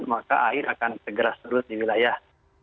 maka air akan segera surut di wilayah